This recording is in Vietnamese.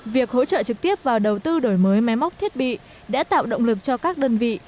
việc hỗ trợ trực tiếp vào đầu tư đổi mới máy móc thiết bị đã tạo động lực cho các đơn vị